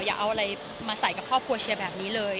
อย่าเอาอะไรมาใส่กับครอบครัวเชียร์แบบนี้เลย